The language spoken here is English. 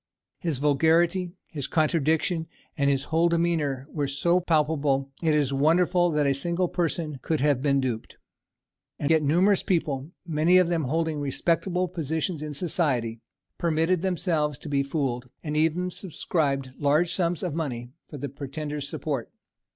His vulgarity, his contradictions, and his whole demeanour were so palpable, it is wonderful that a single person could have been duped. And yet numerous people, many of them holding respectable positions in society, permitted themselves to be fooled, and even subscribed large sums of money for the pretender's support.